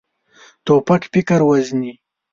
توپک فکر وژني.